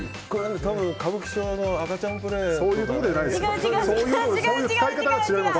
多分、歌舞伎町の赤ちゃんプレーとか。